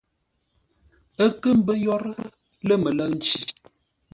Ə́ kə́ mbə́ yórə́ lə̂ mələ̂ʉ nci.